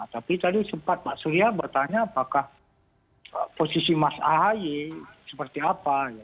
tapi tadi sempat pak surya bertanya apakah posisi mas ahy seperti apa